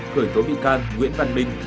khởi tố bị can nguyễn văn minh